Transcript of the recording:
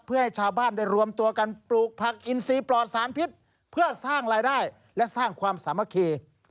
เพื่อให้ชาวบ้านได้รวมตัวกันปลูกผักอินซีปลอดสารพิษเพื่อสร้างรายได้และสร้างความสามัคคี